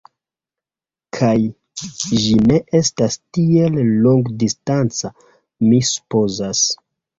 Kaj, ĝi ne estas tiel longdistanca, mi supozas.